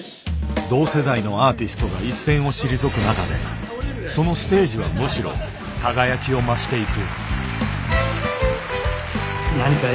同世代のアーティストが一線を退く中でそのステージはむしろ輝きを増していく。